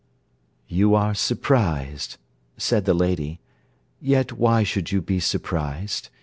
'You are surprised,' said the lady; 'yet why should you be surprised?